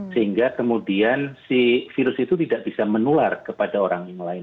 sehingga kemudian si virus itu tidak bisa menular kepada orang yang lain